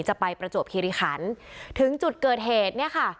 ประจวบคิริขันถึงจุดเกิดเหตุเนี่ยค่ะ